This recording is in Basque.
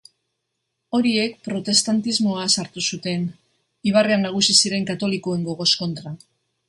Horiek protestantismoa sartu zuten, ibarrean nagusi ziren katolikoen gogoz kontra.